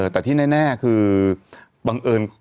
แต่ที่แน่คือบังเอิญ